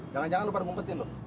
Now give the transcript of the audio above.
jangan jangan lu pada ngumpetin lu